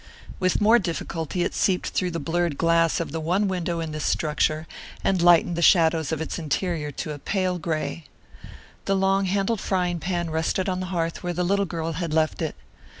With more difficulty it seeped through the blurred glass of the one window in this structure and lightened the shadows of its interior to a pale gray. The long handled frying pan rested on the hearth where the little girl had left it.